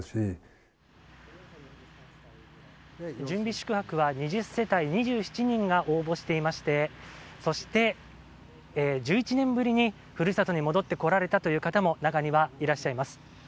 準備宿泊は２０世帯２７人が応募していましてそして、１１年ぶりに故郷に戻ってこられたという方も中にはいらっしゃいます。